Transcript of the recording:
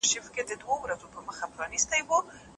پنډ اوربوز بدرنګه زامه یې لرله